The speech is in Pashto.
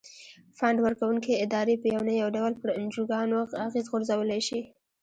فنډ ورکوونکې ادارې په یو نه یو ډول پر انجوګانو اغیز غورځولای شي.